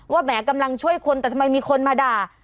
แหมกำลังช่วยคนแต่ทำไมมีคนมาด่า